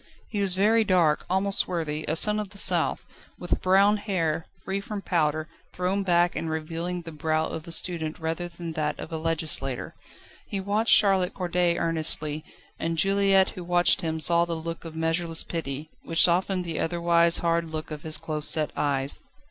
He was very dark, almost swarthy a son of the South, with brown hair, free from powder, thrown back and revealing the brow of a student rather than that of a legislator. He watched Charlotte Corday earnestly, and Juliette who watched him saw the look of measureless pity, which softened the otherwise hard look of his close set eyes.